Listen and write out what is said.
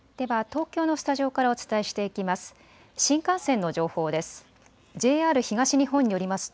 東京のスタジオからお伝えしていきます。